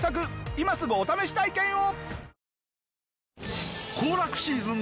今すぐお試し体験を！